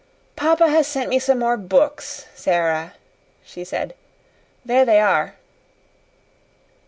"Papa has sent me some more books, Sara," she said. "There they are."